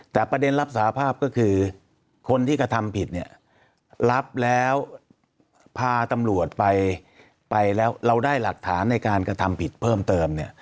แต่ประเด็นรับสาภาพก็คือคนที่กระทำผิดเนี่ยรับแล้วพาตำรวจไปแล้วเราได้หลักฐานในการกระทำผิดเพิ่มเติมเนี่ย